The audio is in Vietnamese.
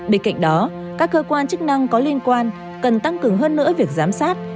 bên cạnh đó các cơ quan chức năng có liên quan cần tăng cường hơn nữa việc giám sát